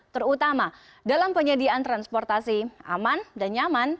terutama dalam penyediaan transportasi aman dan nyaman